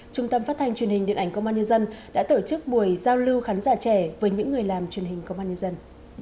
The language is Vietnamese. trung tâm phát thanh truyền hình điện ảnh công an nhân dân đã tổ chức buổi giao lưu khán giả trẻ với những người làm truyền hình công an nhân dân